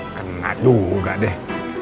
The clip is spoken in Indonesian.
kena juga deh